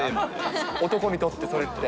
男にとって、それって。